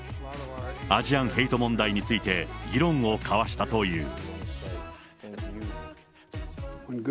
アジアン・ヘイト問題について、議論を交わしたという。